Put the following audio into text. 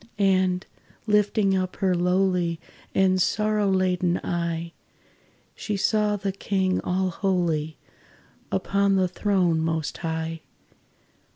And, lifting up her lowly And sorrow laden eye, She saw the King all holy Upon the throne Most High.